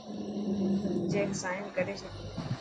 چيڪ سائن ڪري ڏي.